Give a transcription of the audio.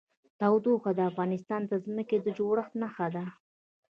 تودوخه د افغانستان د ځمکې د جوړښت نښه ده.